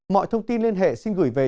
mọi thông tin liên hệ xin gửi về